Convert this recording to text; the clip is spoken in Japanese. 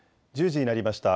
１０時になりました。